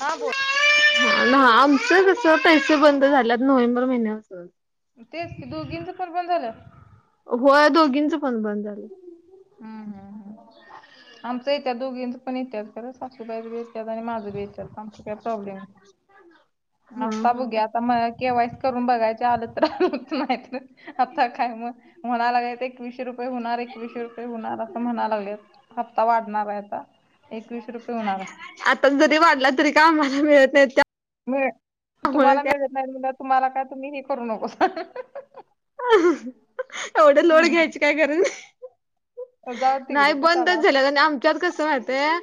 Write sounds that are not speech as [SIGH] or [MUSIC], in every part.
हा बोल. हां, आमचंस पैसे बंद झाल्यात नोव्हेंबर महिन्यापासनच. तेच की दोघींचं पण बंद झालं. होय दोघींच पण बंद झालं. हम्म हम्म आमच येत्यात दोघींच पण येत्यात. खरं सासूबाई आणि माझं बी येत्यात, आमचा काही प्रॉब्लेम हा आता बघूया, हा आता म केवायसी करून बघायचे, आलं तर आलं. नाहीतर हप्ता काय मग, म्हणाय लागल्यात एकवीसशे रुपये होणार, एकवीसशे रुपये होणार असं म्हणाय लागल्यात. हप्ता वाढणार आहे आता. एकवीसशे रुपये होणार आहे. आता जरी वाढला तरी, का आम्हाला मिळत नाहीत त्या मिळ तुम्हाला मिळत नाही, म्हणताना तुम्हाला काय तुम्ही हे करू नकोसा एवढं हम्म लोड घ्यायची हम्म. काय गरज नाय. जाऊ नाही तिकडं बंदच कशाला झाल्यात. आणि आमच्यात कसं माहिती हाय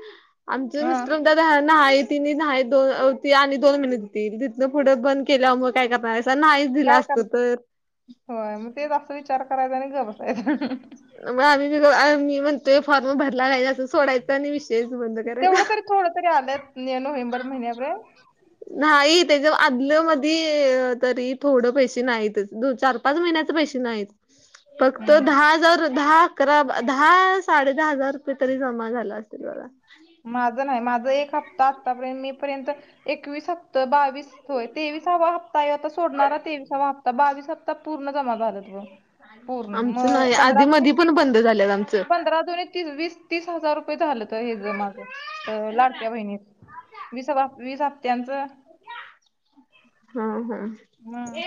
आमच हा मिस्टर म्हणत्यात नाही तिनी नाही दोन ती आणि दोन महिने देतील, तिथनं पुढे बंद केल्यावर मग काय करणार हायसा? नाही काय कर? होय, मग तेच असा विचार करायचा आणि गप्प बसायचं. मग आम्हीबी आ मी म्हणतोय, फॉर्म भरला नाही असं सोडायच आणि विषयच बंद करायचा. तेवढं तरी थोडं तरी आलंत, मे नोव्हेंबर महिन्या पर्यंत. नाही, त्याच्या आदल्या मधी तरी थोडं पैसे नाहीतच दो चार पाच महिन्याचं पैसे नाहीत. फक्त हम्म दहा हजार, दहा अकरा, दहा साडे दहा हजार रुपये तरी जमा झाल अस तील बघा. माझं नाही, माझं एक हप्ता आतापर्यंत मे पर्यंत एकवीस हप्त बावीस होय तेवीसावा हप्ता हाय, आता सोडणारा तेवीसावा हप्ता बावीस हप्ता पूर्ण जमा झालंत. पूर्ण आमचं म नाही आधी पंधरा दोणे मधी तीस पण बंद झाल्यात आमचं पंधरा दोणे तीस, वीस तीस हजार रुपये झालंत हेज माझं लाडक्या बहिणीचं. वीस [UNINTELLIGIBLE] वीस हप्त्यांचं हा हा, मग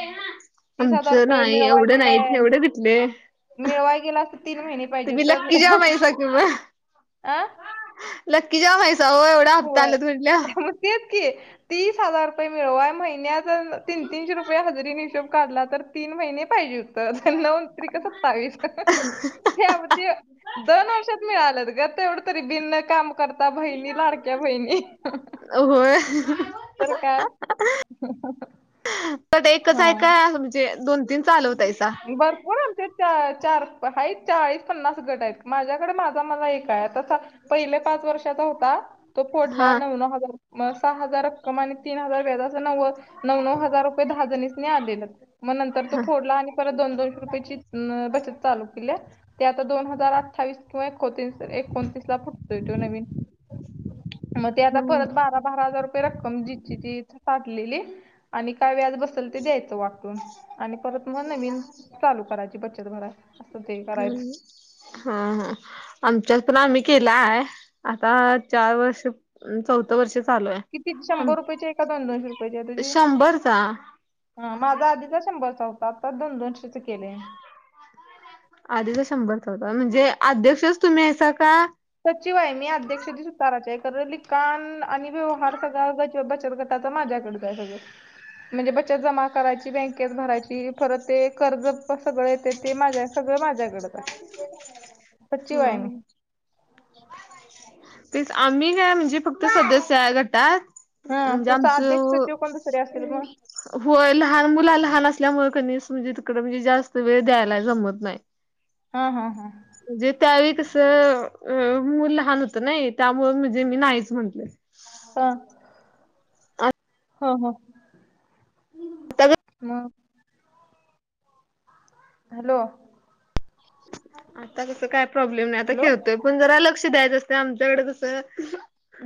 तीस हजार आमचं रुपये नाही. मिळवाय एवढं नाही, गेलाय एवढं कुठलं? मिळवाय गेलं असतं तीन महिने पाहिजे जाम हुतं. हायसा की मग. अं लक्की जाम हायसा होय होय. होय, मग ते की. तीस हजार रुपये मिळवाय महिन्यात तून तीन तीनशे रुपये हजेरीने हिशोब काढला, तर तीन महिने पाहिजे हुते. तर नऊ त्रिक सत्तावीस. हे आमचे दोन वर्षात मिळाल्यात ग, तेवढं तरी बिन नाही काम करता बहिणी लाड क्या बहिणी. अ होय. तर काय. तेवढा एकच हाय हा काय, म्हणजे दोन तीन चालवतायसा? भरपूर आमच्या इथं चार हाईत चाळीस, पन्नास गट हाईत माझ्याकडे माझा मला एक आहे. तसा पहिले पाच वर्षाचा होता. तो हा फोडला. नव नव हजार सहा हजार रक्कम आणि तीन हजार व्याज असं नव्व नव नव हजार रुपये दहा जणीस आलेलं, मग नंतर तो फोडला आणि परत दोन दोनशे रुपयची न बचत चालू केल्या. ते आता दोन हजार अठ्ठावीस किंवा एकोतीस एकोणतीसला फुटतोय तो नवीन. [INAUDIBLE] मग ते आता हम्म परत बारा बारा हजार रुपये रक्कम जिची तीथ काटलेली आणि काय व्याज बस सल ते द्यायचं वाटून आणि परत मग नवीन चालू करायची बचत भरा. हम्म. हा हा आमच्यात पण आम्ही केला आहे आता चार वर्ष चौथं वर्ष चालू किती हाय, शंभर रुपयाची आहे का दोन दोनशे रुपयाची आहे तुझी शंभरचा. हा माझा आधीचा शंभरचा होता, आता दोन दोनशेचं केलंय मी. आधीचा शंभरचा होता, म्हणजे अध्यक्षच तुम्ही हायसा का सचिव आहे मी, अध्यक्ष ती स्वतःचे आहे. कर लिखाण आणि व्यवहार सगळं गच बचत ग तसं माझ्याकडचं आहे सगळं म्हणजे बचत जमा करायची बँकेत भरायची परत ते कर्जत पण सगळं येते ते माझ्या सगळं माझ्याकडचं आहे. सचिव हम्म आहे मी हम्म. तेच आम्ही काय म्हणजे फक्त सदस्य आहे घटात हा तुझा जामचं अध्यक्ष हो सचिव कोण दुसरे असतील मग होय लहान मुला लहान असल्यामुळे क नी म्हणजे तिकडे म्हणजे जास्त वेळ द्यायला जमत नाही. हा हा हा. जे त्यावेळी कसं अ मूल लहान होतं नाही त्यामुळे म्हणजे मी नाहीच म्हंटलं. का हो हो म हॅलो. आता कसं काय प्रॉब्लेम नाही आता हॅलो खेळतोय पण जरा लक्ष द्यायचं असतं आमच्याकडे कसं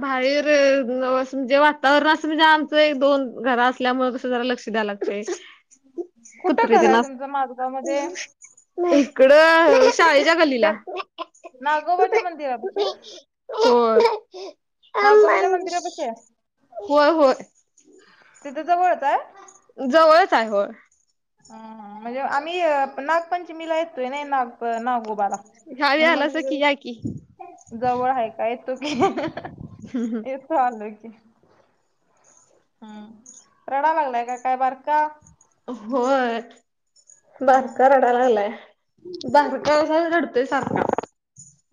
बाहेर जवळ असून जेव्हा आतावर रास म्हणजे आमचे ही एक-दोन घरा असल्यामुळे मग जरा लक्ष द्या लाग ते कुठं कुत्रे घर तेन आहे अस. तुमचं माझगाव मध्ये [INAUDIBLE] इकडं शाळेच्या गल्लीला त्या नागोबाच्या मंदिरापाशी होय नागोबाच्या मंदिरापाशी आहे होय होय. तिथे जवळचं आहे? जवळच आहे होय. हां हां म्हणजे आम्ही नागपंचमीला येतोय ना नाग तर नागोबाला ह्यावेळी म्हणुन म्हणलं आलासा की या की तिथं जवळ आहे काय येतो की. त आलोय की हम्म रडा लागलाय का काय बारका? होय हा बारका रडायला लागला आहे. दारका सा रडतोय सारखा.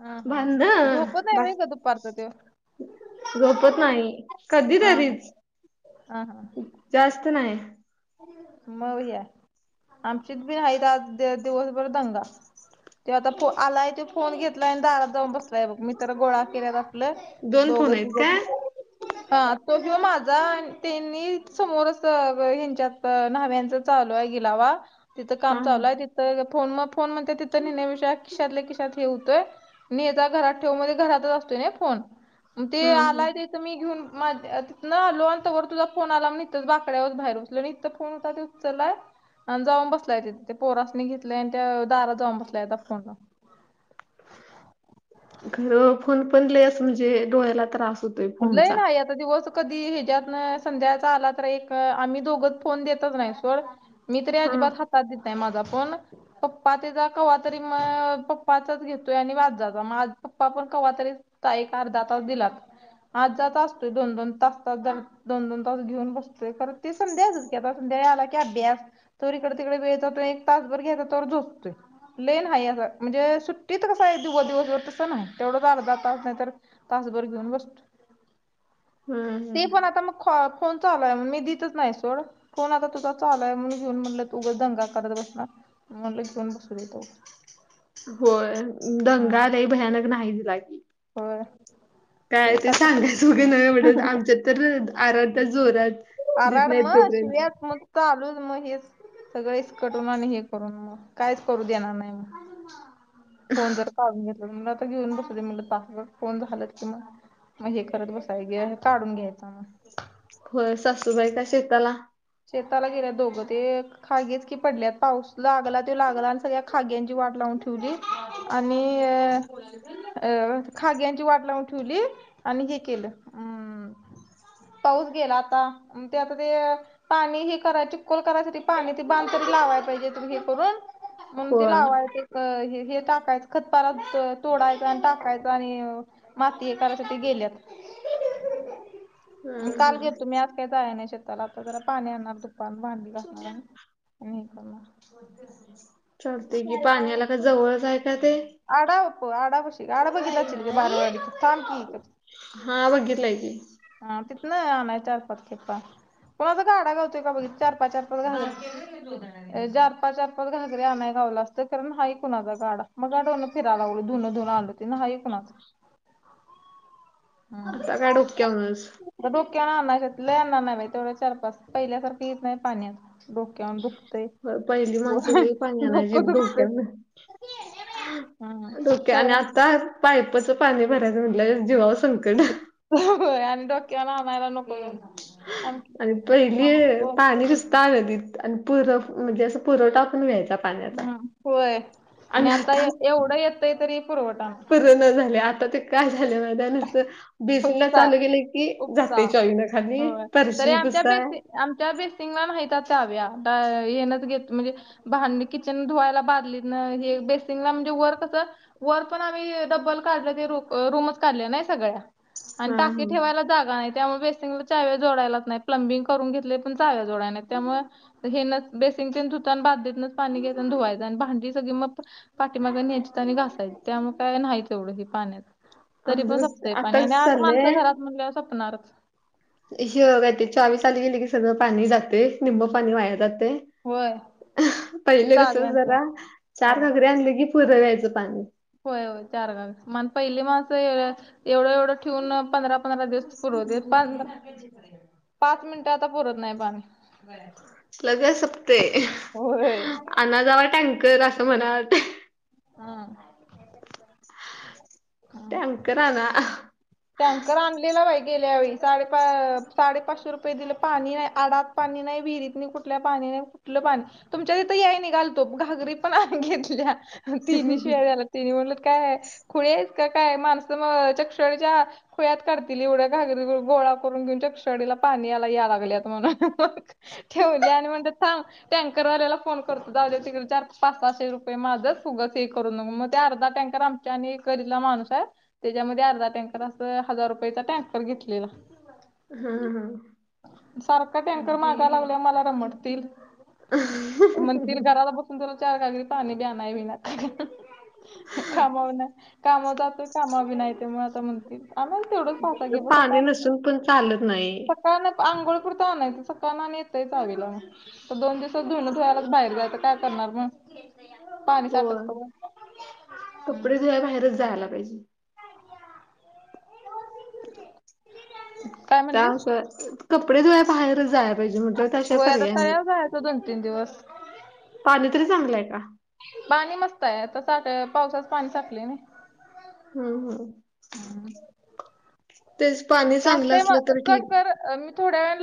हा हा हा भांडण झोपत नाही बस बाई दुपारचा तेव? झोपत नाही कधी हा हा तरीच जास्त नाही. मव या आमचीच बी आहे तर आज दि दिवसभर दंगा. ते आता फो आलाय ते फोन घेतलाय आणि दारात जाऊन बसलाय बघ मी तर गोळा केलाय बघ आपलं दोन फोन दोघं आहेत तिघं. काय [INAUDIBLE] हा तो जो माझा त्यांनी समोर असं गं हेन च्यात नव्यांचा चालू आहे गिलावा तिथं काम हा. चालूय ति तर फोन म फोन म्हणते तिथ नेह्नं पशा किशातल्या किशात हे होतोय. नेहता घरात ठेऊ मध्ये घरातच असतोय ना फोन. ते हं आलाय तेत मी घेऊन मा आ तिथनं आलो आणि तोवर तुझा फोन आला म इथेच बाकड्यावरच बाहेरुन तळणीत फोन होता ते उचलाय आणि जाऊन बसलाय ते ते पोरासनी घेतले आणि त्या दारात जाऊन बसल्याय दा फोनला. खरं फोन पण लय असं म्हणजे डोळ्याला त्रास होतोय [UNINTELLIGIBLE] फोनचा. नाहीयत. चा दिवस कधी ह्याच्यातनं संध्याचा आला तर एक आम्ही दोघच फोन देतच नाही सोड. मी तरी हं अजिबात हातात देत नाय माझा फोन. पप्पा तेचा कवा तरी म पप्पाचाच घेतोय आणि वाज जातो पप्पा पण कवा तरी ताई कर दाता दिला आत जात असतोय दोन-दोन तास तात जा दोन-दोन तास घेऊन बसतोय खरं ती संध्याचच की आता संध्या आला की अभ्यास. तवर इकड तिकड वेळ जातोय एक तासभर घ्यायचा तोवर झोपतोय. लई नाही असं म्हणजे सुट्टीत कसा आहे दिवस दिवसभर तसं नाही तेवढंच अर्धा तास नाही तर तास भर घेऊन बसतो. ते पण हं आता मग खो फोन चालू आय म्हणून मी दितच नाही सोड. फोन आता तुझा चालूय म्हणून घेऊन म्हणलं उगाच दंगा करत बसणार. म्हणलं घेवून बसू दे तोवर. होय हा दंगा लई भयानक नाही दिला की. होय काय एक ते आता सांगयचे वगैरे नाय एवढचं आमच्यात तर आराध्या जोरात देत आराड नाहीत मग तोपर्यंत शिव्याच मग चालू म हेच. सगळ ईसकटून आणि हे करून म कायच करू देणार नाही म. फोन जर काडून घेतला म आता घेऊन बसूदे म्हणलं तासभर फोन झालंत कि मग मग हे करत बसाय ग काढून घ्यायचा. होय सासूबाई काय शेताला? शेताला गेल्या दोघं ते एक खागिच की पडलेत पाऊस लागला त लागला आण सगळ्या खाग्यांची वाट लावून ठेवली. आणि अ अ खाग्यांची वाट लावून ठेवली आणि हे केलं अं पाऊस गेला आता म ते आता ते. पाणी हे कराय चिकूल करायसाठी पाणी तरी बांधतरी लावाय पाहिजे तु हे करून. मंग ते होय. लावायच एक हे टाकायचं खतपार त तोडायच आण टाकायचं आणि अ माती हे करायसाठी गेल्यात म हं काल हं गेलतो मी आज मी काय जायाय नाही शेताला आता जरा पाणी आणणार दुपारनं भांडी घासणार आणि हे करणार [UNINTELLIGIBLE] चालतय कि पाण्याला काय जवळच आहे काय ते? आडाव प आडापशी आड बघितला असशील बारवडी थांब की एकच हा बघितलाय की. हा तिथनं आणायच चार पाच खेपा कुणाचा गाडा घावतोय का बघ चार पाच चार पाच घाग ते जोदड़्या अ चार पाच चार पाच घागऱ्या आणाय घावल असतं खर नाई कुणाचा गाडा मगाधरणं फिराय लागलोय धूण धूवून आलो ते नाई कुणाचं. आता काय डोक्यावरणचं. आता डोक्यावरण आणय लय आणणार नाही बाई तेवढ्या चार पाच पहिल्यासारखं येत नाही पाणी आता. डोक्यावरण दुखतयं होय पहिली माणसं वय लय पाणी डोक आणायची दुखतयं. डोक्यावरन. हा सवय नाई. पाईपचं पाणी भरायचं म्हटल्यावर जीवावर संकट आ हं होय आणि डोक्यावरन आणायला नको आणखी आणि दे. थांब पहिली दोन पाणी तीन मिनिटं निस्ता नदीत आणि पुर म्हणजे असं पुरवठापण व्हायचा. पाण्याचा हम् होय आणि आता ए एवढं येतय तरी पुरवठा नाई. पूरणा झालयं आता ते काय झालयं माहितय नुसतं बेसिनला उपसा चालू केल की उपसा जातयं चॉवी न खाली होय तरी फरशी आमच्या पुसाय बेसि आमच्या बेसिंगला नाहीता चाव्या ब येनच घेत म्हणजे भांडी किचन धुवायला बादलीतन हे बेसिनला म्हणजे वर कस वर पण आम्ही डब्बल काढल ते रो रूमच काढल्या नाही सगळ्या आणि हा हा टाकी ठेवायला जागा नाही त्यामुळे बेसिंगला चाव्या जोडायलाच नाही प्लंबिंग करून घेतलयं पण चाव्या जोडाय नाहीत त्यामुळं हेनच बेसिंगतेन धुतान बादलीतनच पाणी घ्यायच आण धुवायचं आणि भांडी सगळी मग प पाठीमाग न्यायचता आणि घासायच त्यामुळे काय नाही तेवढं हे पाण्यात. तरी आमचं पण कसं संपतय आता पाणी आणि कसं आठ चाललंय माणसं घरात म्हणल्या संपणारच. अ हे काय ते चावी चालू केलं की सगळं पाणी जातंय निम्म पाणी वाया जातय. होय. अ हं पहिले कस चाव्यांचं. जरा चार होय. घागरी आणली की पुर व्हायचं पाणी. होय होय चार घाल मान पहिली माणसं एवढं एवढं ठेवून पंधरा पंधरा दिवस पुरवतेत पा पाच मिनटं आता पुरत नाही पाणी. लगच सपते होय. अन अजावा टँकर असं म्हणा वाटे हा टँकर आला आह. टँकर आणलेला बाई गेल्या वेळी साडेपा साडेपाचशे रुपये दिले पाणी नाही आडाक. पाणी नाही विहिरीत मी कुठल्या पाणी कुठलं पाणी तुमच्या इथं यायला निघालतो घागरी पण आह घेतल्या. तिन्ही शिवाय आन तिनी म्हणलत काय खुळी आहेस, का काय माणसं म चक्षळच्या खुळ्यात काढतील एवढ्या घागरी घेऊन गोळा करून घेऊनच्या श्डीला पाणी यायला लागल्यात म्हणून ठेवल्या आणि म्हणतात थांब. टँकरवाल्याला फोन करत जाऊदे तिकडे चार पाच साहाशे रुपये माझंच उगाच हे करून न मग त्या अर्धा टँकर आम त्याणी सरीला माणूस आहे, त्याज्या मध्ये अर्धा टँक तर असं हजार रुपयाचा टँकर घेतलेला. हम्म हम्म सारखा टँकर मागा लावल्या मला रमटतील. मणतिल घराला बसून तुला चार घागरी पाणी बी आणाय होईना. हंम्म कामावर नाही कामा जातो कामा बी नाही ते मी आता म्हणती. आ म तेवढंच पासा घे ब पाणी सकाळ नाही नसून पण चालत नाही. का नाही अंघोळ पुरता आणायचं सकाळना आणि येतंय चावीला. तर दोन दिवसात धुन धुवायलाच बाहेर जायच तर काय करणार मग पाणी साठत होय तवर. कपडे धुवाय बाहेरच जायला पाहिजे. काय त्या म्हणलीस? वाय कपडे धुवायला बाहेरच जायला पाहिजे म्हंटल. त्याशिवाय होय आता पर्याय नाही, तळ्यावर जायचं दोन तीन दिवस. पाणी तरी चांगल आहे का? पाणी मस्त आहे आता साठ पावसाच पाणी साठलय नई हं हं हम्म तेच पाणी चांगलं मग असलं तर कट ठीक. कर अ मी थोड्या लाव